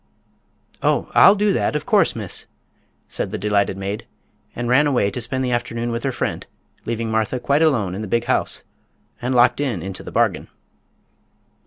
"Oh, I'll do that, of course, miss," said the delighted maid, and ran away to spend the afternoon with her friend, leaving Martha quite alone in the big house, and locked in, into the bargain.